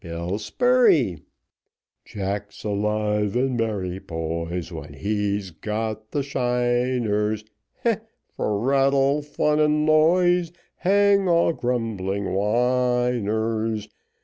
Bill Spurey Jack's alive and merry, boys, When he's got the shiners; Heh! for rattle, fun, and noise, Hang all grumbling whiners.